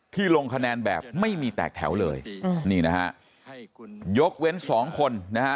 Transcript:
ลงคะแนนแบบไม่มีแตกแถวเลยนี่นะฮะยกเว้นสองคนนะฮะ